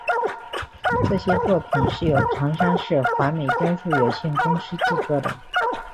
这些作品是由长沙市华美雕塑有限公司制作的。